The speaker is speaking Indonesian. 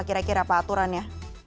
kira kira apa aturannya